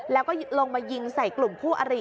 แล้วก็ลงมายิงใส่กลุ่มคู่อริ